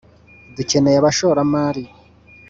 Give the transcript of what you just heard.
dukeneye abashoramari